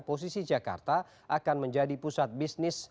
posisi jakarta akan menjadi pusat bisnis